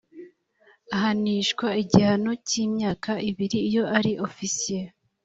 ahanishwa igihano cyimyaka ibiri iyo ari ofisiye